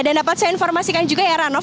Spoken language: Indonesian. dan dapat saya informasikan juga ya ranof